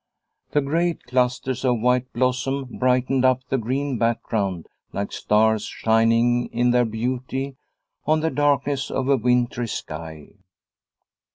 The great clusters of white blossom brightened up the green background like stars shining in their beauty on the darkness of a wintry sky.